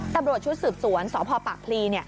ตำรวจชุดสืบสวนสพปากพลี